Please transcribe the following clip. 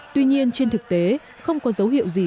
tuy nhiên trên thực tế không có dấu hiệu gì